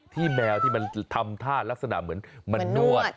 แมวที่มันทำท่ารักษณะเหมือนมันนวด